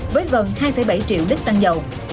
với gần hai bảy triệu đích xăng dầu